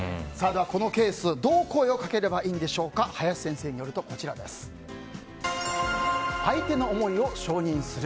このケースどう声をかければいいのか林先生によると相手の想いを承認する。